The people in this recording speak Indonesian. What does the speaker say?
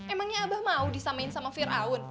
emangnya abah mau disamain sama fir'aun